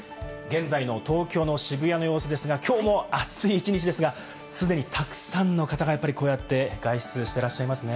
現在の東京の渋谷の様子ですが、きょうも暑い一日ですが、既にたくさんの方がやっぱりこうやって外出してらっしゃいますね。